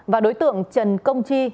và đối tượng trần công chi